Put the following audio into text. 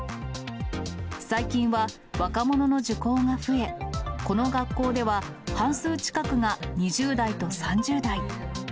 最近は、若者の受講が増え、この学校では半数近くが２０代と３０代。